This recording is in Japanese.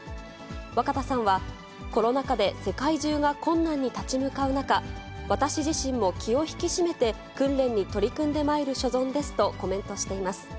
若田さんは、コロナ禍で世界中が困難に立ち向かう中、私自身も気を引き締めて訓練に取り組んでまいる所存ですと、コメントしています。